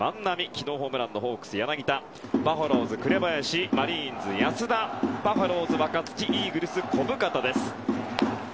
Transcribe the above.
昨日ホームランのホークス、柳田バファローズ、紅林マリーンズ、安田バファローズ、若月イーグルス、小深田です。